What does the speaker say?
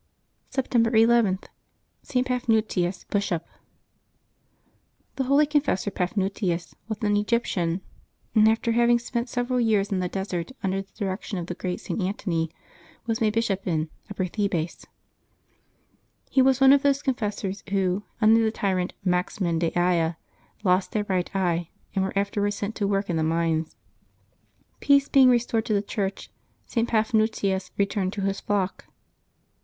September ii.— ST. PAPHNUTIUS, Bishop. ^<HE holy confessor Paphnutius was an Egyptian, and ^^ after having spent several years in the desert, under the direction of the great St. Antony, was made bishop in Upper Thebais. He was one of those confessors who, under the tyrant Maximin Daia, lost their right eye, and were afterward sent to work in the mines. Peace being restored to the Church, Paphnutius returned to his flock.